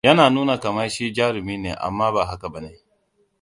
Yana nuna kamar shi jarumi ne, amma ba haka bane.